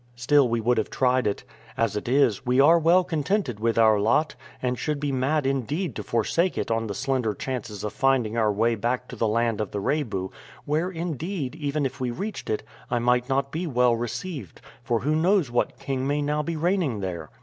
Still we would have tried it. As it is, we are well contented with our lot, and should be mad indeed to forsake it on the slender chances of finding our way back to the land of the Rebu, where, indeed, even if we reached it, I might not be well received, for who knows what king may now be reigning there?"